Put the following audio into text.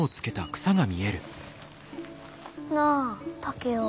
なあ竹雄。